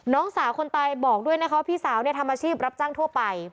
น้องสาวคนตายบอกด้วยนะคะว่าพี่สาวเนี่ยทำอาชีพรับจ้างทั่วไป